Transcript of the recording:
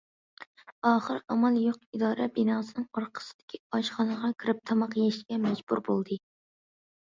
ئاخىر ئامال يوق ئىدارە بىناسىنىڭ ئارقىسىدىكى ئاشخانىغا كىرىپ تاماق يېيىشكە مەجبۇر بولدى.